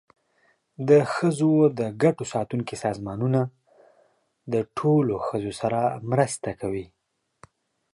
د ښځو د ګټو ساتونکي سازمانونه د ټولو ښځو سره مرسته کوي.